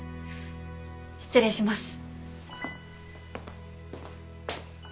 失礼します。